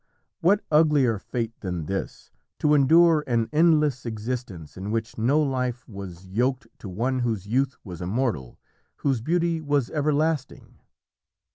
What uglier fate than this, to endure an endless existence in which no life was, yoked to one whose youth was immortal, whose beauty was everlasting?